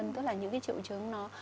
tức là những cái triệu chứng nó